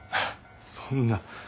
そんな。